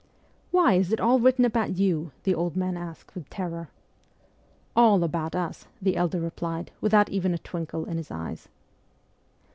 ' Why, is it all written about you ?' the old man asked with terror. 'All about us,' our elder replied, without even a twinkle in his eyes.